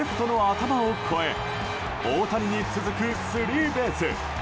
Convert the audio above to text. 打球はレフトの頭を越え大谷に続くスリーベース。